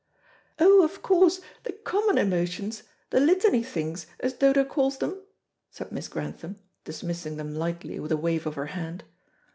"Oh, of course, the common emotions, 'the litany things,' as Dodo calls them," said Miss Grantham, dismissing them lightly with a wave of her hand.